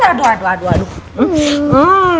aduh aduh aduh